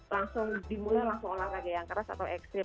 langsung dimulai langsung olahraga yang keras atau ekstrim